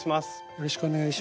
よろしくお願いします。